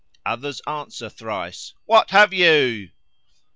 Others answer thrice, "What have you?"